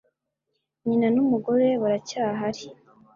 Nyina n'umugore we baracyahari.